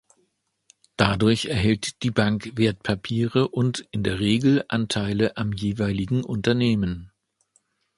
Dadurch erhält die Bank Wertpapiere und in der Regel Anteile am jeweiligen Unternehmen.